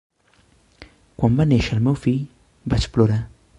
Quan va néixer el meu fill, vaig plorar